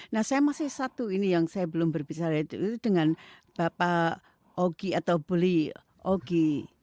nah saya masih satu ini yang saya belum berbicara itu dengan bapak ogi atau buli ogi